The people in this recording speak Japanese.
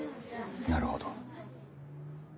なるほど。